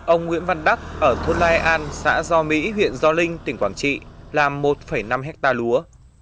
ông nguyễn văn đắc ở thôn lai an xã do mỹ huyện do linh tỉnh quảng trị làm một năm hectare lúa